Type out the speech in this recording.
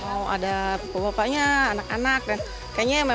mau ada bapak bapaknya anak anak